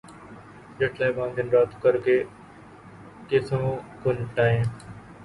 جج صاحبان دن رات کر کے کیسوں کو نمٹائیں۔